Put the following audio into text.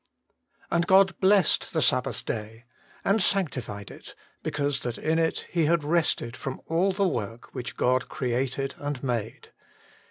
And God blessed the Sabbath day, and sanctified it, because that in it He had rested from all the work which God created and made.'